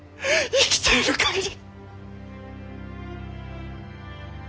生きている限り。